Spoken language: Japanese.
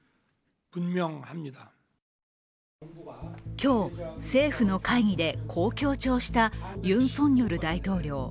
今日、政府の会議でこう強調したユン・ソンニョル大統領。